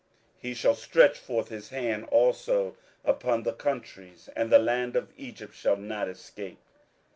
27:011:042 He shall stretch forth his hand also upon the countries: and the land of Egypt shall not escape.